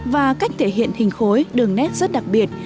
và cách thể hiện hình khối đường nét rất đặc biệt